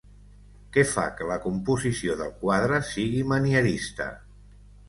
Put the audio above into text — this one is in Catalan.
Què fa que la composició del quadre sigui manierista?